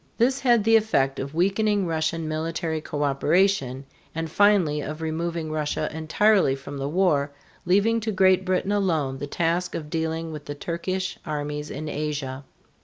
This had the effect of weakening Russian military coöperation, and finally of removing Russia entirely from the war, leaving to Great Britain alone the task of dealing with the Turkish armies in Asia.